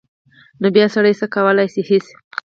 نو بیا سړی څه کولی شي هېڅ.